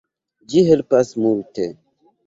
Ĝi helpas multe.